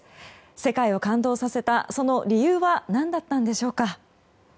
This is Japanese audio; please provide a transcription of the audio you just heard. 世界を感動させたその理由は何だったんでしょうか。